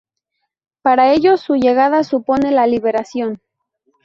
Para ellos; su llegada supone la liberación.